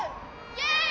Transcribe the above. イエーイ！